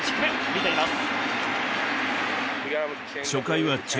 見ています。